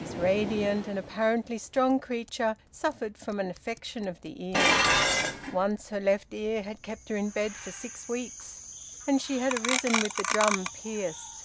This radiant and apparently strong creature suffered from an affection of the ear. Once her left ear had kept her in bed for six weeks, and she had arisen with the drum pierced.